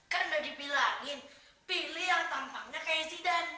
karena udah dibilangin pilih yang tampaknya kayak sidan